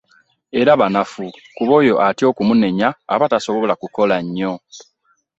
Era banafu kuba oyo atya okumunenya abatasobola kukola nnyo